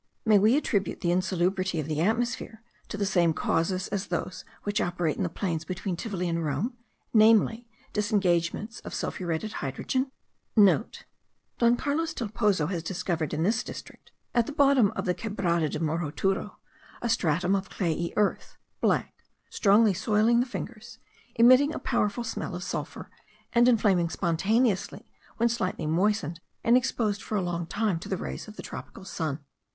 May we attribute the insalubrity of the atmosphere to the same causes as those which operate in the plains between Tivoli and Rome, namely, disengagements of sulphuretted hydrogen?* (* Don Carlos del Pozo has discovered in this district, at the bottom of the Quebrada de Moroturo, a stratum of clayey earth, black, strongly soiling the fingers, emitting a powerful smell of sulphur, and inflaming spontaneously when slightly moistened and exposed for a long time to the rays of the tropical sun.